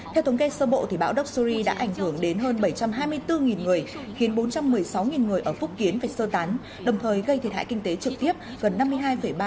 theo thống kê sơ bộ bão dock suri đã ảnh hưởng đến hơn bảy trăm hai mươi bốn người khiến bốn trăm một mươi sáu người ở phúc kiến phải sơ tán đồng thời gây thiệt hại kinh tế trực tiếp gần năm mươi hai ba triệu nhân dân tệ khoảng bảy ba triệu usd